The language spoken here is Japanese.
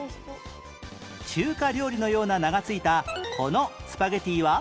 中華料理のような名が付いたこのスパゲティは？